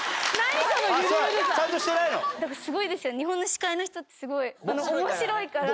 だからすごいですよ、日本の司会の人ってすごい、おもしろいから。